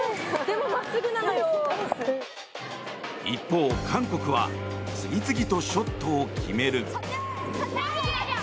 一方、韓国は次々とショットを決める。